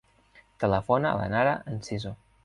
Telefona a la Nara Enciso.